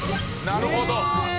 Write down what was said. なるほど！